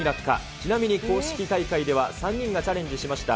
ちなみに公式大会では、３人がチャレンジしました。